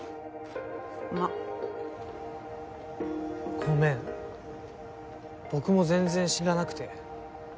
ごめん僕も全然知らなくて。